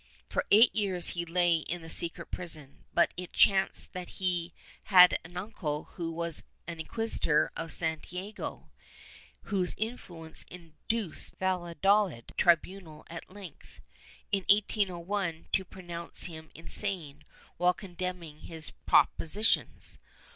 For eight years he lay in the secret prison, but it chanced that he had an uncle who was an inquisitor of Santiago, whose influence induced the Valladolid tribunal at length, in 1801, to pronounce him insane, while condemning his propositions.